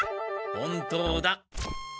本当だ。